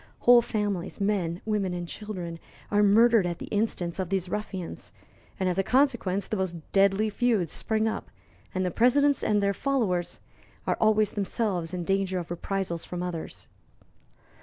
Whole families men, women, and children are murdered at the instance of these ruffians, and, as a consequence, the most deadly feuds spring up, and the presidents and their followers are always themselves in danger of reprisals from others.